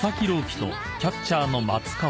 希とキャッチャーの松川］